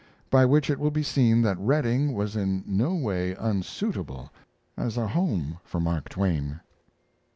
By which it will be seen that Redding was in no way unsuitable as a home for Mark Twain.